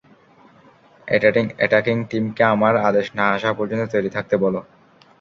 Attacking টিমকে আমার আদেশ না আসা পর্যন্ত তৈরি থাকতে বলো।